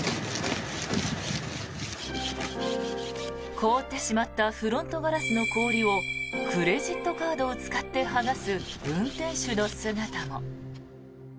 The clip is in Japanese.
凍ってしまったフロントガラスの氷をクレジットカードを使って剥がす運転手の姿も。